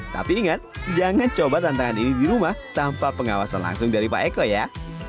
tapi ingat jangan coba tantangan ini di rumah tanpa pengawasan langsung dari pak eko ya